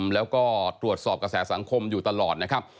แล้วก็ตรวจสอบกระแสสังคมอยู่ตลอดนะครับ